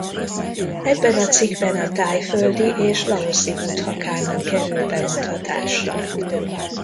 Ebben a cikkben a thaiföldi és laoszi Buddha kánon kerül bemutatásra.